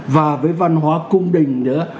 và với văn hóa cung đình nữa